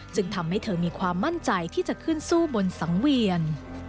ทำให้เธอมีความมั่นใจที่จะขึ้นสู้บนสังเวียน